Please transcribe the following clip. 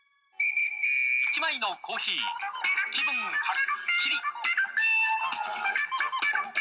１枚のコーヒー、気分はっきり。